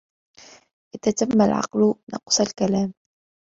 إذا تم العقل نقص الكلام